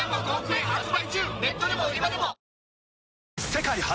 世界初！